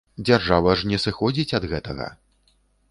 Дзяржава ж не сыходзіць ад гэтага.